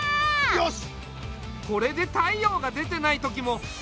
よし！